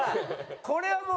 これはもう